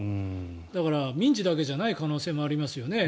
だから民事だけじゃない可能性もありますよね。